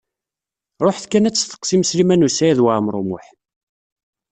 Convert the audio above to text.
Ṛuḥet kan ad testeqsim Sliman U Saɛid Waɛmaṛ U Muḥ.